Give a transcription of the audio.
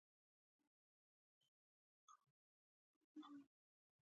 دوی خولې وازي نیولي وي.